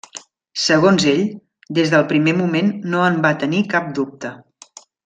Segons ell, des del primer moment no en va tenir cap dubte.